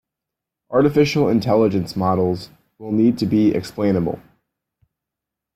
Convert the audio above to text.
Artificial Intelligence models will need to be explainable.